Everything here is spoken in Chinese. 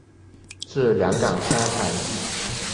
治两感伤寒。